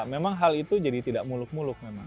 memang hal itu jadi tidak muluk muluk memang